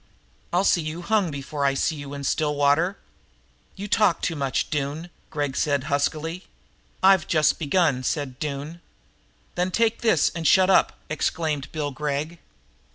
"I'll see you hung before I see you in Stillwater." "You've talked too much, Doone," Gregg said huskily. "I've just begun," said Doone. "Then take this and shut up," exclaimed Bill Gregg.